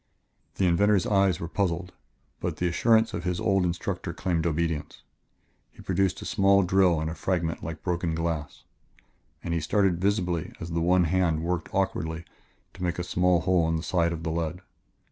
The inventor's eyes were puzzled, but the assurance of his old instructor claimed obedience. He produced a small drill and a fragment like broken glass. And he started visibly as the one hand worked awkwardly to make a small hole in the side of the lead.